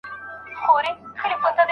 آیا لارښود تر څېړونکي زیاته تجربه لري؟